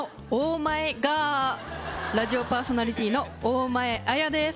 マエガーラジオパーソナリティーの大前あやです